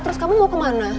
terus kamu mau kemana